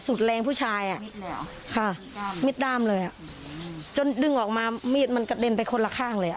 แรงผู้ชายอ่ะค่ะมีดด้ามเลยอ่ะจนดึงออกมามีดมันกระเด็นไปคนละข้างเลยอ่ะ